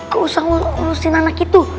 gak usah ngurusin anak itu